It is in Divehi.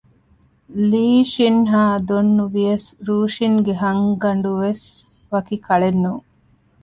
ލީ ޝިން ހާ ދޮން ނުވިޔަސް ރޫޝިންގެ ހަންގަ ނޑުވެސް ވަކި ކަޅެއް ނޫން